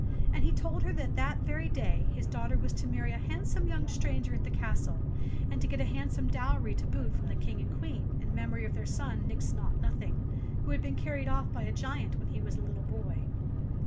And he told her that that very day his daughter was to marry a handsome young stranger at the castle, and to get a handsome dowry to boot from the King and Queen, in memory of their son, Nix Naught Nothing, who had been carried off by a giant when he was a little boy.